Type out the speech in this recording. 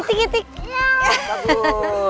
reva ibu kandung abi